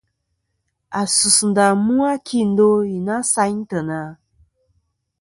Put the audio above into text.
A sus ndà mu a kindo i na sayn teyna?